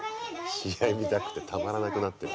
試合見たくてたまらなくなってる。